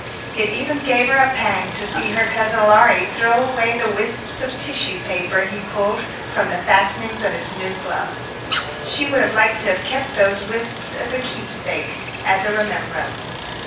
It even gave her a pang to see her cousin Laurie throw away the wisps of tissue paper he pulled from the fastenings of his new gloves. She would like to have kept those wisps as a keepsake, as a remembrance.